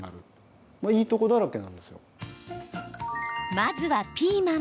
まずはピーマン。